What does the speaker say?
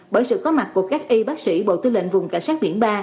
bởi sự có mặt của các y bác sĩ bộ tư lệnh vùng cảnh sát biển ba